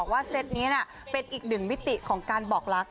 เซตนี้เป็นอีกหนึ่งมิติของการบอกรัก